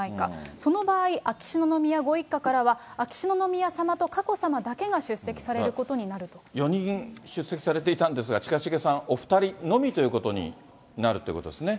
その場合、秋篠宮ご一家からは秋篠宮さまと佳子さまだけが出席されることに４人出席されていたんですが、近重さん、お２人のみということになるということですね。